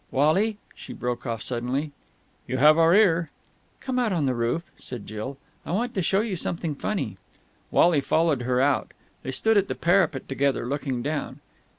Wally!" she broke off suddenly. "You have our ear." "Come out on the roof," said Jill. "I want to show you something funny." Wally followed her out. They stood at the parapet together, looking down.